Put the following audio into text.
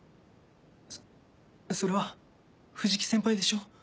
それは藤木先輩でしょ？